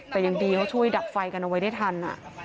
แต่ยังดีเขาช่วยดับไฟกันเอาไว้ได้ทัน